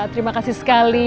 terima kasih sekali